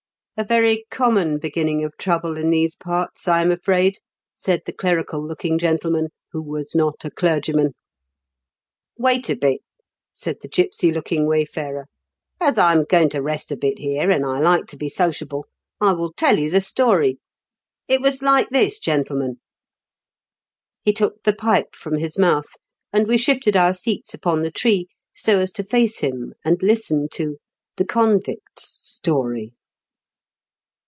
" A very common beginning of trouble in these parts, I am afraid," said the clerical looking gentleman who was not a clergjinan. " Wait a bit," said the gipsy looking way farer. " As I am going to rest a bit here, and I like to be sociable, I will tell you the story. It was like this, gentlemen." He took the pipe from his mouth, and we shifted our seats upon the tree, so as to face him and listen to THE convict's STORY.